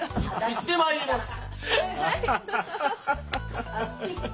行ってまいります。